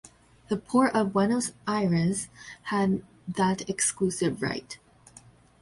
The port of Buenos Aires had that exclusive right.